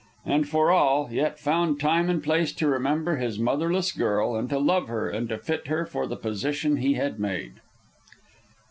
And for all, yet found time and place to remember his motherless girl, and to love her, and to fit her for the position he had made.